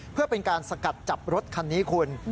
เพื่อเป็นการสกัดจับรถคันนี้คุณ